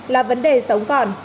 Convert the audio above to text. là vấn đề sống còn